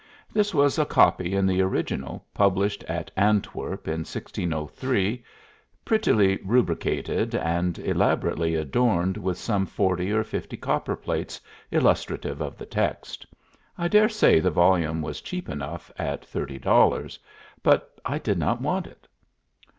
This was a copy in the original, published at Antwerp in 1603, prettily rubricated, and elaborately adorned with some forty or fifty copperplates illustrative of the text. I dare say the volume was cheap enough at thirty dollars, but I did not want it.